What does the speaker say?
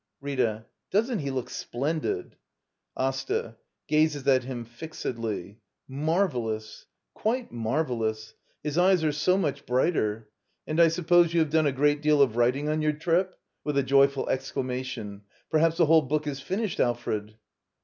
Rtta. Doesn't he look splendid! Asta. [Gazes at him fixedly.] Marvellous! Quite marvellous! His eyes are so much brighter! And I suppose you have done a great deal of wri ting on your trip? [With a joyful exclamation.] Perhaps the whole book is finished, Alfred?